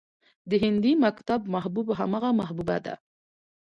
د هندي مکتب محبوب همغه محبوبه ده